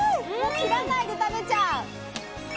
切らないで食べちゃう！